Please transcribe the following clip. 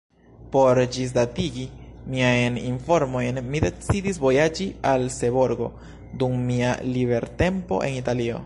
Por ĝisdatigi miajn informojn, mi decidis vojaĝi al Seborgo dum mia libertempo en Italio.